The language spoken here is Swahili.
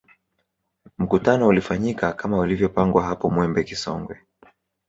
Mkutano ulifanyika kama ulivyopangwa hapo Mwembe Kisonge